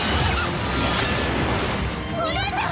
お姉ちゃん！